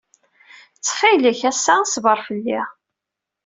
Ttxil-k, ass-a ṣber fell-i.